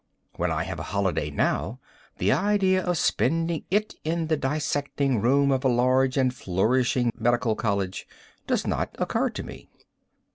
When I have a holiday now, the idea of spending it in the dissecting room of a large and flourishing medical college does not occur to me.